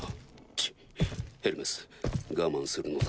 チッヘルメス我慢するのだぞ。